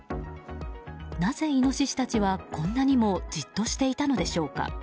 なぜ、イノシシたちはこんなにもじっとしていたのでしょうか。